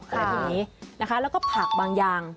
ขนาดนี้นะคะแล้วก็ผักบางอย่าง